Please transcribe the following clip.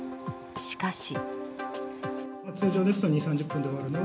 しかし。